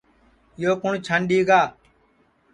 یو کُوٹؔ چھانٚڈؔ گا